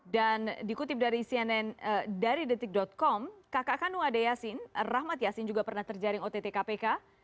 dan dikutip dari cnn dari detik com kakak kanu adeyasin rahmat yasin juga pernah terjaring ott kpk